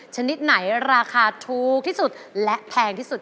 จากถูกที่สุดไปหาแข็งที่สุด